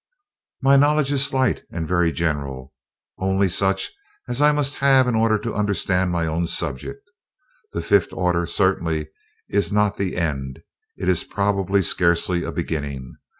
"My knowledge is slight and very general; only such as I must have in order to understand my own subject. The fifth order certainly is not the end it is probably scarcely a beginning.